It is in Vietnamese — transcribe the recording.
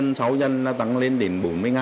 nhưng mà sáu dân sáu dân là tăng lên đến bốn mươi